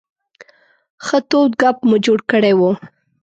ښه تود ګپ مو جوړ کړی و.